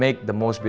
baiklah terima kasih